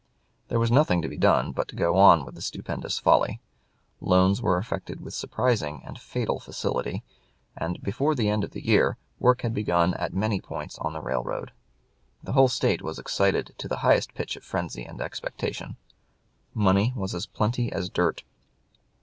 There was nothing to be done but to go on with the stupendous folly. Loans were effected with surprising and fatal facility, and, "before the end of the year, work had begun at many points on the railroads. The whole State was excited to the highest pitch of frenzy and expectation. Money was as plenty as dirt.